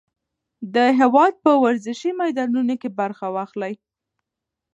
د هېواد په ورزشي میدانونو کې برخه واخلئ.